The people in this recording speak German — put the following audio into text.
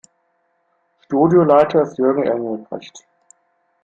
Studioleiter ist Jürgen Engelbrecht.